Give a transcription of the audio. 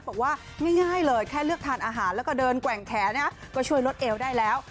บอกว่าง่ายเลยแค่เลือกทานอาหารแล้วก็เดินแกว่งแขนก็ช่วยลดเอวได้แล้ว